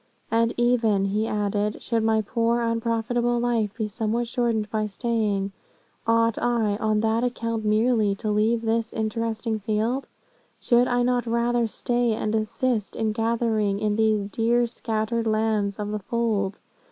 'And even,' added he, 'should my poor, unprofitable life be somewhat shortened by staying, ought I, on that account merely, to leave this interesting field? Should I not rather stay and assist in gathering in these dear scattered lambs of the fold?